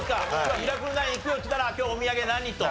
『ミラクル９』行くよって言ったら今日お土産何？と。